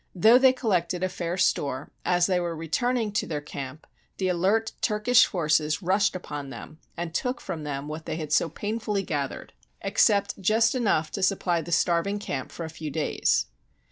Though they collected a fair store, as they were returning to their camp the alert Turkish forces rushed upon them and took from them what they had so painfully gathered, except SIEGE OF ANTIOCH just enough to supply the starving camp for a few days.